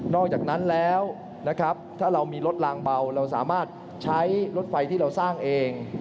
อกจากนั้นแล้วนะครับถ้าเรามีรถลางเบาเราสามารถใช้รถไฟที่เราสร้างเอง